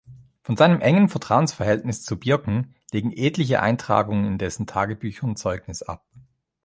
Von seinem engen Vertrauensverhältnis zu Birken legen etliche Eintragungen in dessen Tagebüchern Zeugnis ab.